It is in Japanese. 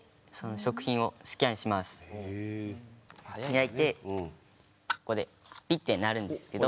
開いてここでピッて鳴るんですけど。